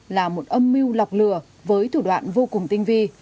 là một âm mưu lọc lừa với thủ đoạn vô cùng tốt